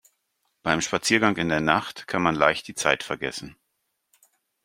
Bei einem Spaziergang in der Nacht kann man leicht die Zeit vergessen.